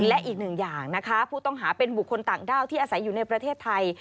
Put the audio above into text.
และอีกหนึ่งอย่างนะคะผู้ต้องหาเป็นบุคคลต่างด้าวที่อาศัยอยู่ในประเทศไทย